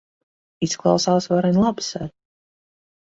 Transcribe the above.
Izklausās varen labi, ser.